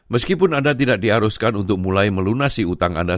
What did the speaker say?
meskipun anda tidak diharuskan untuk mulai melunasi utang anda